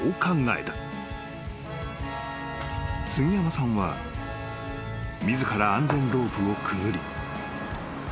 ［杉山さんは自ら安全ロープをくぐり］